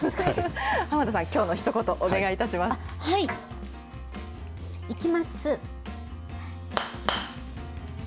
濱田さん、きょうのひと言、お願いきます。